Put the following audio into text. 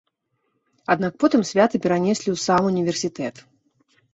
Аднак потым свята перанеслі ў сам універсітэт.